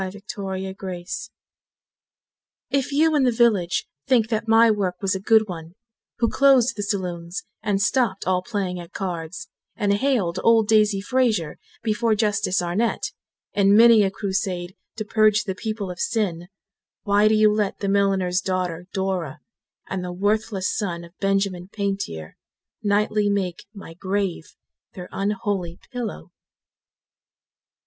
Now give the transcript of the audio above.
D. Blood If you in the village think that my work was a good one, Who closed the saloons and stopped all playing at cards, And haled old Daisy Fraser before Justice Arnett, In many a crusade to purge the people of sin; Why do you let the milliner's daughter Dora, And the worthless son of Benjamin Pantier Nightly make my grave their unholy pillow?